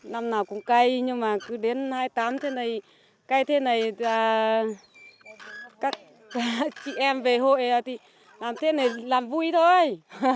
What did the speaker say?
năm nào cũng cay nhưng mà cứ đến hai mươi tám thế này cay thế này các chị em về hội thì làm thế này làm vui thôi